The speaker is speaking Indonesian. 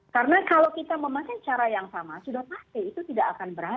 karena kalau kita memakai cara yang sama sudah pasti itu tidak akan berhasil